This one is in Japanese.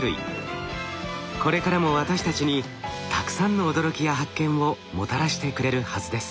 これからも私たちにたくさんの驚きや発見をもたらしてくれるはずです。